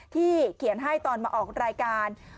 ที่เขียนให้ตอนมาออกรายการ